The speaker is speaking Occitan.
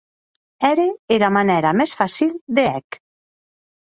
Ère era manèra mès facil de hè'c.